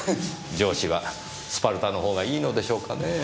上司はスパルタのほうがいいのでしょうかねぇ。